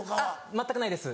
全くないです。